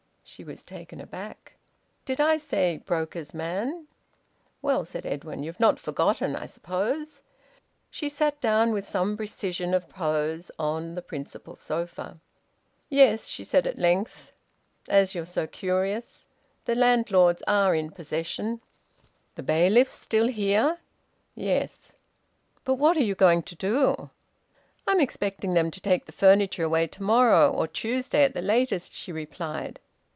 She was taken aback. "Did I say `broker's man'?" "Well," said Edwin, "you've not forgotten, I suppose." She sat down, with some precision of pose, on the principal sofa. "Yes," she said at length. "As you're so curious. The landlords are in possession." "The bailiffs still here?" "Yes." "But what are you going to do?" "I'm expecting them to take the furniture away to morrow, or Tuesday at the latest," she replied.